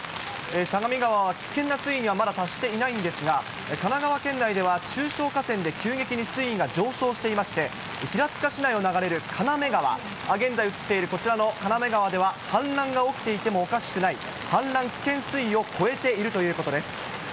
相模川は危険な水位にはまだ達していないんですが、神奈川県内では中小河川で急激に水位が上昇していまして、平塚市内を流れる金目川、現在映っているこちらの金目川では氾濫が起きていてもおかしくない、氾濫危険水位を超えているということです。